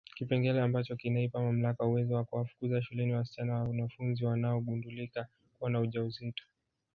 Kipengele ambacho kinaipa mamlaka uwezo wa kuwafukuza shuleni wasichana wanafunzi wanaogundulika kuwa na ujauzito